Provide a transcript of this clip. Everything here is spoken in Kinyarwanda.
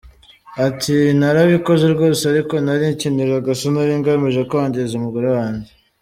Ati: “Narabikoze rwose ariko narikiniraga sinari ngamije kwangiza umugore wanjye.